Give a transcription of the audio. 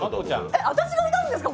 えっ、私が歌うんですか！？